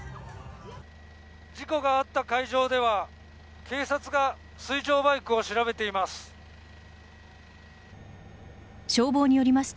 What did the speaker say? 事故があった会場では警察が水上バイクを調べています。